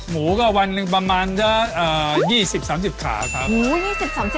หมูก็วันประมาณเกาะ๒๐๓๐ขาคือ